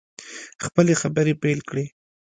خپلې خبرې پیل کړې.